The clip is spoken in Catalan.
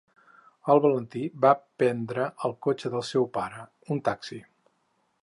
El Valentí va prendre el cotxe del seu pare, un taxi.